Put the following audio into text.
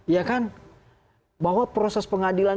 ya kan bahwa proses pengadilan